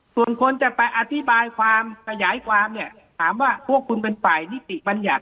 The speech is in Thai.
ส่วนคนจะไปอธิบายความขยายความเนี่ยถามว่าพวกคุณเป็นฝ่ายนิติบัญญัติ